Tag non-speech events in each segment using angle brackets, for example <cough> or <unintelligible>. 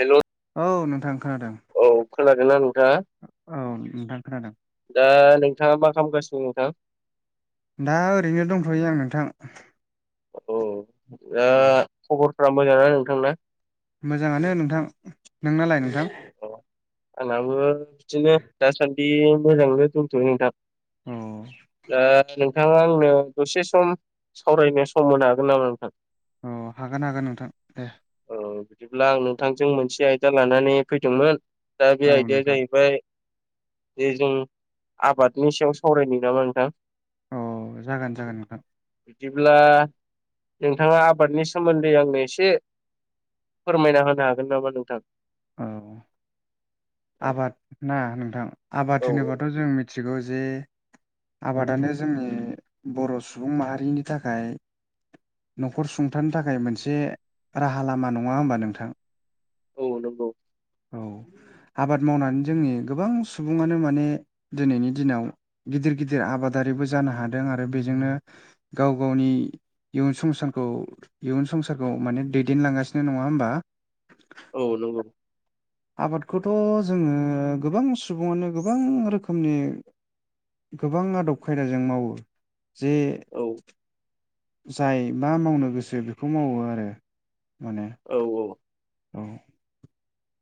हेल' औ नोंथां खोनादों। औ खोनादोंना ना नोंथाङा औ नोंथां खोनादों दा नोंथाङा मा खालामगासिनो? <unintelligible> दा ओरैनो दंथ'यो आं नोंथां। औ दा औ खबरफोरा मोजां ना नोंथांना? मोजाङानो नोंथां नोंनालाय नोंथां? आंनाबो बिदिनो दासान्दि मोजांनो दोंथ'यो नोंथां। औ दा नोंग- नोंथाङा आंनो दसे सम सावरायनो सम होनो हागोन नामा नोंथां? अ हागोन हागोन नोंथां दे। औ बिदिब्ला आं नोंथांजों मोनसे आयदा लानानै फैदोंमोन। दा बे औ आयदाया नोंथां जाहैबाय। जे जों आबादनि सायाव सावरायनो नामा नोंथां? अ जागोन जागोन नोंथां। बिदिब्ला नोंथाङा आबादनि सोमोन्दै आंनो एसे फोरमायना होनो हागोन नामा नोंथां? औ औ आबाद ना नोंथां आबाद औ होनोबाथ' जों मिथिगौ जे आबादानो जोंनि बर' सुबुं माहारिनि थाखाय न'खर सुंथानो थाखाय मोनसे राहा लामा नङा होमबा नोंथां। औ नंगौ। औ। आबाद मावनानै जोंनि गोबां सुबुङानो माने दिनैनि दिनाव गिदिर गिदिर आबादा बो जानो हादों आरो बेजोंनो गाव गावनि इयुन संसारखौ इयुन संसारखौ माने दैदेनलांगासिनो नङा होमबा? औ नंगौ। आबादखौथ' जोङो गोबां सुबुङानो गोबां रोखोमनि गोबां आदब खायदाजों मावो जे। औ जाय मा मावनो गोसो बेखौ मावो आरो। औ औ। औ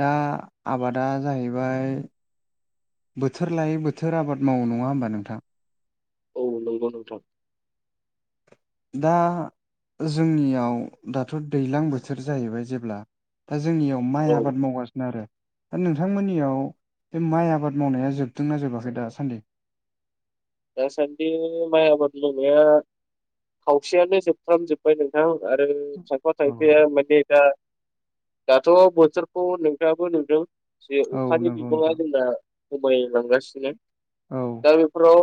दा आबादा जाहैबाय। बोथोर लायै बोथोर आबाद मावो नङा होमबा नोंथां? औ नंगौ नोंथां। दा। जोंनियाव दाथ' दैलां बोथोर जाहैबाय जेब्ला दा जोंनियाव माइ औ आबाद मावगासिनो आरो दा नोंथांमोननियाव बे माइ आबाद मावनाया जोबदोंना जोबाखै दासान्दि? <inaudible> दासान्दि माइ आबाद मावनाया खावसेयानो जोबफ्रामजोब्बाय नोंथां। आरो खायफा खायफाया माने दा। दाथ' बोथोरखौ नोंथाङाबो नुदों। जे औ अखानि नंगौ बिबांङा नोंथां जोंना खमायलांगासिनो। औ दा बेफोराव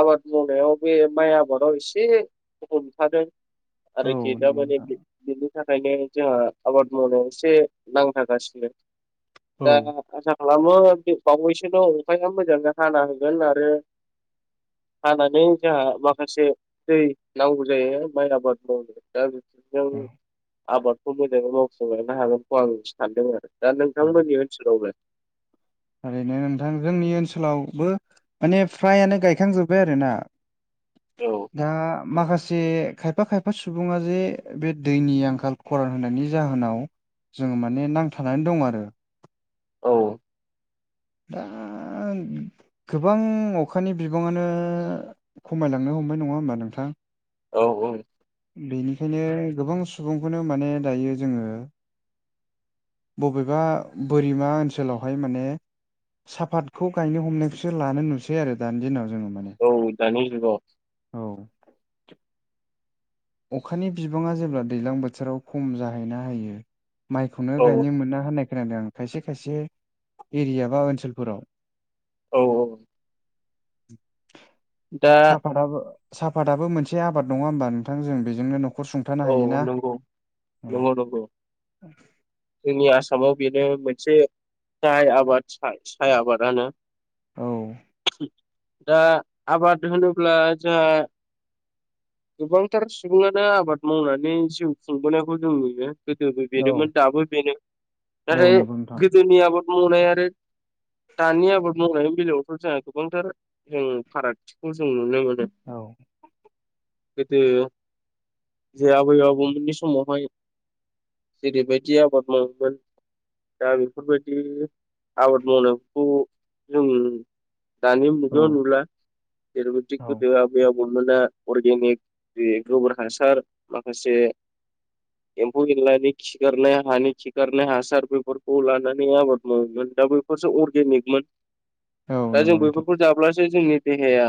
आबाद मावनायाव बे माइ आबादाव एसे हमथादों। औ आरो गेदा नंगौ माने नोंथां <unintelligible> थाखायनो जोंहा आबाद मावनायाव एसे नांथारागासिनो। औ दा आसा खालामो बावैसोल' अखाया मोजांयै हाना होगोन आरो हानानै जोंहा माखासे दै नांगौ जायो माइ आबाद मावनाय दा बिजों औ आबादखौ मोजांङै मावफुंलांनो हागोनखौ आं सानदों आरो। दा नंगौ नोंथांमोननि ओनसोलावलाय ओरैनो नोंथां जोंनि ओनसोलावबो माने फ्रायानो गायखांजोब्बाय आरोना। औ दा माखासे खायफा खायफा सुबुंङा जे बे दैनि आंखाल खरान होनायनि जाहोनाव जोंङो माने नांथानानै दं आरो औ दा गोबां अखानि बिबांङानो खमायलांनो हमनाय नङा नंङा होमबा नोंथां औ औ ओंखायनो गोबां सुबुंखौनो माने दायो जोंङो बबेबा बोरिमा ओनसोलावहाय माने साफपातखौ गायनो हमनायखौसो लानो नुसै आरो दानि दिनावस औ दानि जुगाव औ अखानि बिबांङा जेब्ला दैज्लां बोथोराव खम जाहैना हायो माइखौनो औ गायनो मोना होननाय खोनादों आं खायसे खायसे एरिया बा ओनसोलफोराव औ औ दा साफतो साफतआ मोनसे आबाद नंङा होमबा नोंथां जों बेजोंनो न'ख औ नंगौ नंगौ नंगौ जोंनि आसामाव बेनो मोनसे गाहाय आबाद साय आबादानो औ दा आबाद होनोब्ला जोंहा गोबांथार सुबुंङानो आबाद मावनानै जिउ खुंबोनायखौ जों नुयो गोदोबो औ बेनोमोन दाबो बेनो औ नाथाय नंगौ नोंथां गोदोनि आबाद मावनाय आरो दानि आबाद मावनायनि बेलायावथ' जोंहा गोबांथार जों फारागथिखौ जों नुनो मोनो औ गोदो जे आबै आबौमोननि समावहाय जिरिबायायदि आबाद मावोमोन दा बेफोरबायदि आबाद मावनायखौ जों दानि औ जुगाव नुला जेरैबादिखौ गभनमेन्टआ अर्गेनिक गोरबोर हासार माखासे एम्फौ एनलानि खिखारनाय हानि खिखारनाय हासार बेफोरखौ लानानै आबाद मावोमोन दा बैफोरसो अरगेनिकमोन औ दा जों नंगौ नोंथां बैफोरखौ जाब्लासो जोंनि देहाया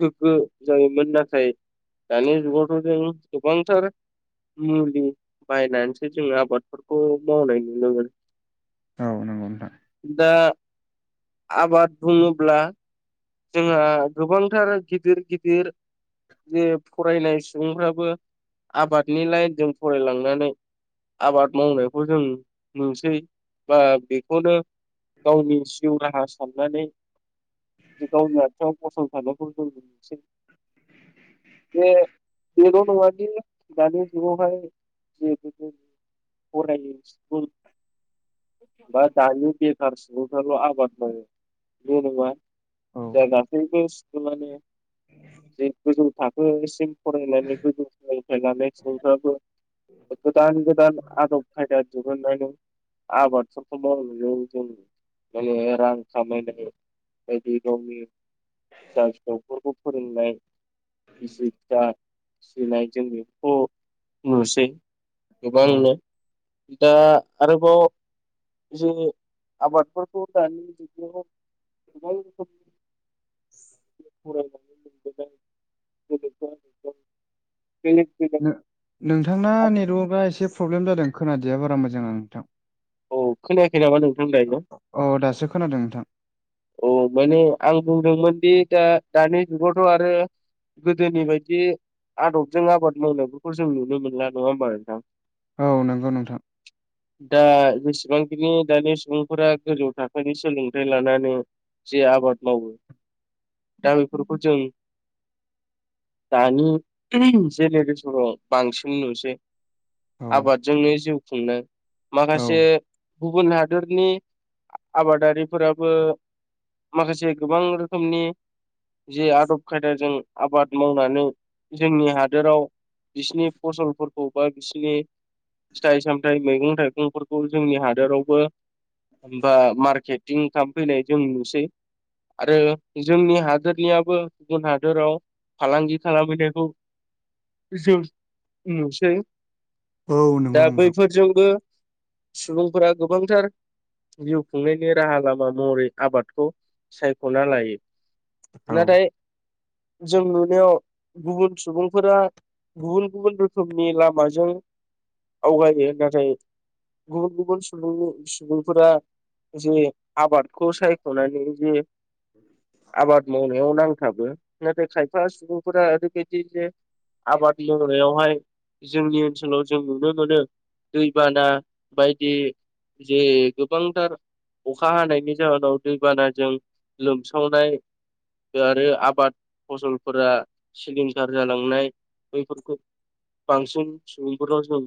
गोग्गो जायोमोन नाथाय दानि जुगावथ' जों गोबांथार मुलि बायनानैसो जोंङो आबादफोरखौ मावनाय नुनोोन औ नंगौ नोंथां आबाद बुंङोब्ला जोंहा गोबांथार गिदिर गिदिर जे फरायनाय सुबुंफ्राबो आबादनि लाइनजों फरायलांनानै आबाद मावनायखौ जों नुसै बा बेखौनो गावनि जिउ राहा साननानै गावनि आथिङाव गसंथानायखौ जों नसै बे- बेल' नङादि दानि जुगावहाय फायोुल <unintelligible> बा दानि बेखार सुबुंफ्राल' आबाद मावो बे नङा औ जा गासैबो स्कुलानो जे गोजौ थाखोसिम फरायनायनानै गोजौ सोलोंथाइ सुबुंफ्राबो गोदान गोदान आदब खायदा दिरुनानै आबाद समफोरखौ मावों जों माने रां खामायनाय <unintelligible> बायदि गावनि फिसा फिसौफोरखौ फोरोंनाय बिसिा <unintelligible> फनाय जोंनिखौ नुसै औ गोबांनो दा आरोबाव जे आबादफोरखौ दानि जुगाव ज <unintelligible> फरायनानै मोनबोनाय <unintelligible> नों-नोंथांना नेटवर्कआ एसे प्रब्लेम जादों खोनादया बारा मोजां आं नोंथां। औ खोनायाखै नामा नोंथां दायो औ दासो खोनादों नोंथां। औ माने आं बुंदोंमोनदि दा दानि जुगावथ' आरो। गोदोनि बायदि आदबजों आबाद मावनायफोरखौ जों नुनो मोनला नङा होमबा नोंथां? औ नंगौ नोंथां। बेसेबांखिनि दानि सुबुंफोरा गोजौ थाखोनि सोलोंथाइ लानानै जे आबाद मावो दा बेफोरखौ जों दानि जेनेरेशनाव बांसिन नुसै। औ आबादजोंनो जिउ खुंनो औ माखासे गुबुन हा दोरनि आबादारिफोराबो माखासे गोबां रोखोमनि जे आदब खायदाजों आबाद मावनानै जोंनि हादोराव बिसिनि फसलफोरखौ बा बिसिनि फिथाइ सामथाय मैगं थाइगंफोरखौ जोंनि हादोरावबो होमबा मार्केटिं खालामफैनाय जों नुसै। आरो जोंनि हादोरनियाबो गुबुन हादोराव फालांगि खालामहैनायखौ जों नुसै। औ नंगौ दा नोंथां बैफोरजोंबो सुबुंफोरा गोबांथार जिउ खुंनायनि राहा लामा महरै, आबादखौ सायख'ना लायो। औ नाथाय- जों नुनायाव गुबुन सुबुंफोरा गुबुन गुबुन रोखोमनि लामाजों आवगायो। नाथाय गुबुन गुबुन सुबुंनि सुबुंफोरा जे आबाद खौ सायख'नानै जे आबाद मावनायाव नांथाबो। नाथाय खायफा सुबुंफोरा ओरैबायदि जे- आबाद मावोंनायावहाय जोंनि ओनसोलाव जों नुनो मोनो। दैबाना बायदि जे गोबांथार अखा हानायनि जाहोनाव दैबानाजों लोमसावनाय आरो आबाद फसलफोरा सिलिंखार जालांनाय बैफोरखौ बांसिन सुबुंफोरा जों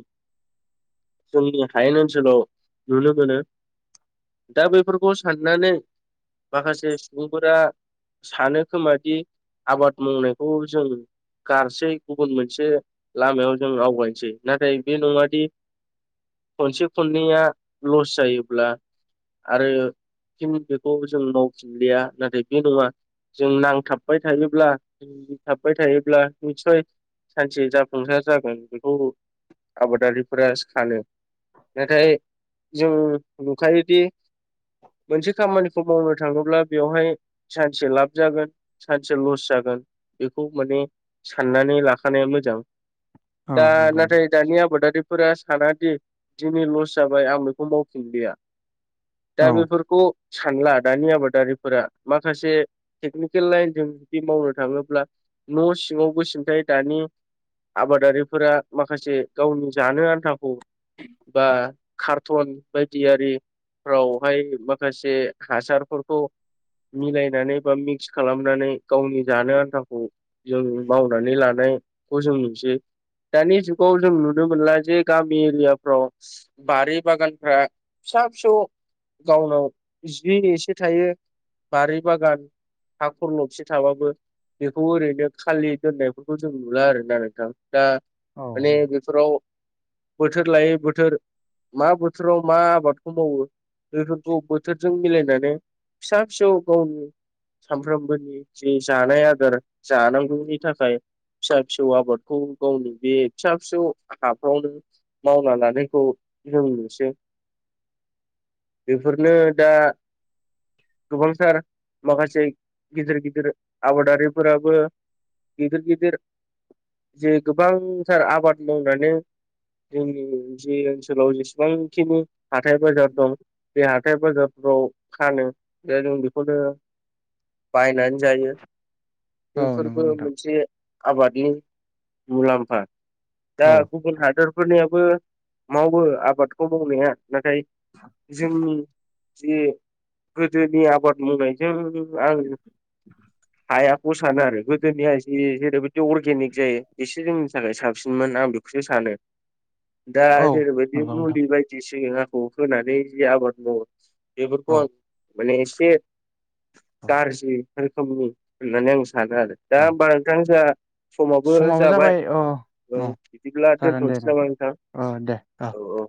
जोंनि हायेन ओनसोलाव नुनो मोनो। दा बैफोरखौ साननानै माखासे सुबुंफोरा सानो खोमा दि। आबाद मावनायखौ जों गारसै गुबुन मोनसे लामायाव जों आवगायनोसै। नाथाय बे नङादि खनसे खननैया लस जायोब्ला आरो फिन बेखौ जों मावफिनलिया नाथाय बे नङा। जों नांथाबबाय थायोब्ला थाबबाय थायोब्ला निथसय। सानसे जाफुंसार जागोन। बेखौ आबादारिफोरा सानो। नाथाय जों नुखायोदि, मोनसे खामानिखौ मावनो थाङोब्ला बेवहाय सानसे लाब जागोन सानसे लस जागोन। बेखौ माने साननानै लाखानाया मोजां। औ दा नंगौ नोंथां नाथाय दानि आबादारिफोरा सानादि दिनि लस जाबाय आं बेखौ मावफिनलिया दा बे औ फोरफोरखौ सानला दानि आबादारिफोरा माखासे टेकनिकेल लाइनजों जुदि मावनो थां। थाङोब्ला न' सिङावबो सिमथाय दानि। आबादारिफोरा माखासे गावनि जानो आन्थाखौ बा कार्टन बायदि आरिफ्रावहाय माखासे हासारफोरफोरखौ मिलायनानै बा मिक्स खालामनानै गावनि जानो आन्थाखौ जों मावनानै लानायखौ जों नुसै। दानि जुगाव जों नुनो मोनला जे गामि एरियाफ्राव बारि बागानफ्रा फिसा फिसौ गावनाव जि एसे थायो बारि बागान हा खरलबसे थाबाबो बेखौ ओरैनो खालि दोननायफोरखौ जों नुला आरोना नोंथां। दा औ माने बेफोराव बोथोर लायै बोथोर मा बोथोराव मा आबादखौ मावो बेफोरखौ बोथोरजों मिलायनानै फिसा फिसौ गावनि सानफ्रोमबोनि जे जानाय आदार जानांगौनि थाखाय फिसा फिसौ आबादखौ गावनि बे फिसा फिसौ हाफ्रावनो मावना लानायखौ जों नुसै बेफोरनो दा गोबांथार माखासे गिदिर गिदिर आबादारिफोराबो गिदिर गिदिर जे गोबांथार आबाद मावनानै जोंनि जि ओनसोलाव जेसेबांखिनि हाथाय बाजार दं बेे हाथाय बाजारफोराव फानो दा जों बेखौनो बायनानै जायो औ बेफोरबो नंगौ नोंथां मोनसे आबादनि मुलाम्फा। दा औ गुबुन हादरफोरनियाबो मावो आबादखौ मावनाया नाथाय <unintelligible> जोंनि जे गोदोनि आबाद मावनायजों आं हायाखौ सानो आरो गोदोनिया जि जेरैबायदि अर्गेनिक जायो एसे जोंनि थाखाय साबसिन मोन आं बेखौसो सानो। दा औ जेरैबायदि नंगौ नोंथां मुलि बायदिसि आखौ होनानै जि आबाद मावो बेफोरखौ औ आं माने एसे औ गाज्रि रोखोमनि होननानै आं सानो आरो। दा औ होनबा नोंथां जाहा समाबो जाबाय अ ओ अ बिदिब्ला जागोन दे दोनथ'नोसै नामा नोंथां। अ दे ओ औ औ